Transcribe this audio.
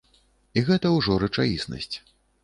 І гэта ўжо рэчаіснасць.